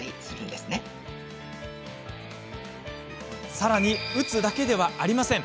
さらに、うつだけではありません。